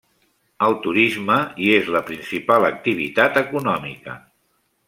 El turisme hi és la principal activitat econòmica.